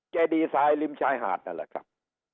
เจดีไซน์ริมชายหาดนั่นแหละครับ